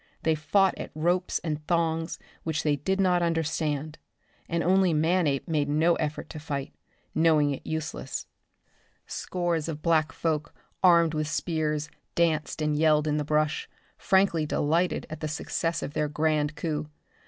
They fought at ropes and thongs which they did not understand and only Manape made no effort to fight, knowing it useless. Scores of black folk armed with spears danced and yelled in the brush, frankly delighted at the success of their grand coup.